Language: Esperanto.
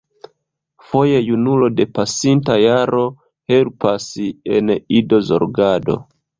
Foje junulo de pasinta jaro helpas en idozorgado.